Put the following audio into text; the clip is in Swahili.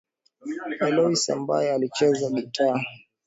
Eloise, ambaye alicheza gitaa